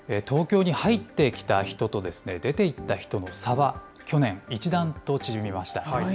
東京に入ってきた人と、出ていった人の差は去年、一段と縮みました。